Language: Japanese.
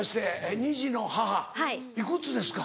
２児の母幾つですか？